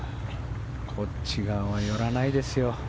こっち側は寄らないですよ。